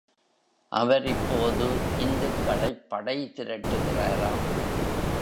அவர் இப்போது இந்துக்களைப் படை திரட்டுகிறாராம்.